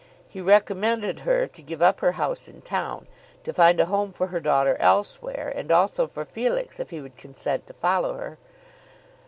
He recommended her to give up her house in town, to find a home for her daughter elsewhere, and also for Felix if he would consent to follow her.